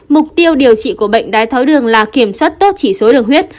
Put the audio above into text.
mục tiêu điều trị của bệnh đái tháo đường là kiểm soát tốt chỉ số đường huyết